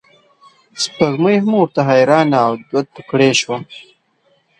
سپوږمۍ هم ورته حیرانه او دوه توکړې شوه.